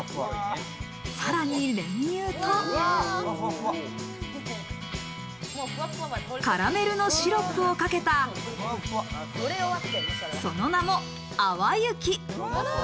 さらに練乳とカラメルのシロップをかけた、その名も淡雪。